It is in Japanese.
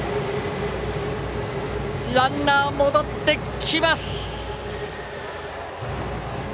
ランナー戻ってきます。